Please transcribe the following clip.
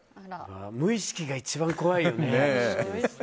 無意識が一番怖いよね。